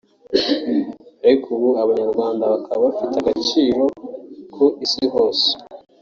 ariko ubu Abanyarwanda bakaba bafite agaciro ku isi hose